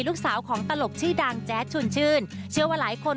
ลูกสาวของตลกชื่อดังแจ๊ดชุนชื่น